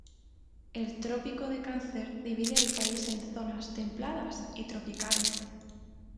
El Trópico de Cáncer divide el país en zonas templadas y tropicales.